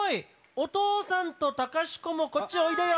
お父さんと隆子もこっちへおいでよ！